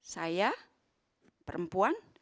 saya perempuan justru mengatakan